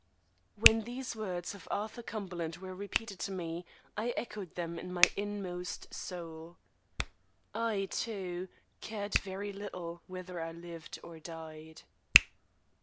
When these words of Arthur Cumberland were repeated to me, I echoed them in my inmost soul. I, too, cared very little whether I lived or died.